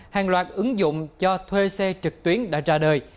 hàng loạt ứng dụng cho thuê xe trực tuyến đã ra đời